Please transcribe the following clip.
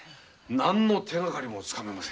何の手がかりもつかめません。